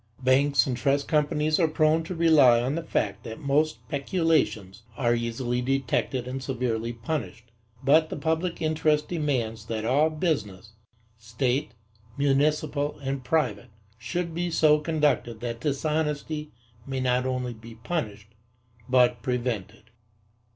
Banks and trust companies are prone to rely on the fact that most peculations are easily detected and severely punished, but the public interest demands that all business, State, municipal and private, should be so conducted that dishonesty may not only be punished, but prevented.